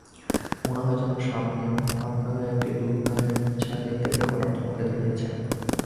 মনে হয় যেন সামনে ও আপনারই একটা দূরকালের ছায়া দেখতে পেয়ে হঠাৎ থমকে দাঁড়িয়েছে।